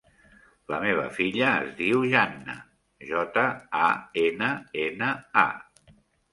La meva filla es diu Janna: jota, a, ena, ena, a.